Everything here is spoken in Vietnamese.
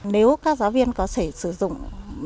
nếu các giáo viên có thể sử dụng các thí nghiệm ảo này